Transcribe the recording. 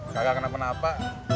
gak gak kenapa kenapa